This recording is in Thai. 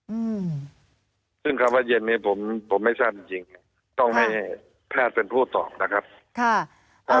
อืมซึ่งคำว่าเย็นนี้ผมผมไม่ทราบจริงจริงต้องให้แพทย์เป็นผู้ตอบนะครับค่ะอ่า